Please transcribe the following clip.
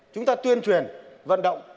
chúng ta tuyên truyền vận động